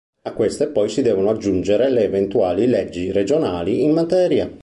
A queste poi si devono aggiungere le eventuali leggi regionali in materia.